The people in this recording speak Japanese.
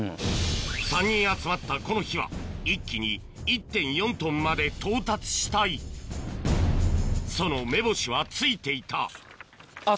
３人集まったこの日は一気に１．４ｔまで到達したいその目星は付いていたあぁ